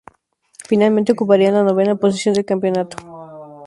Finalmente ocuparían la novena posición del campeonato.